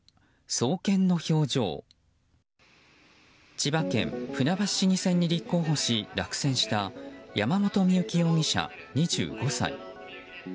千葉県船橋市議選に立候補し落選した山本深雪容疑者、２５歳。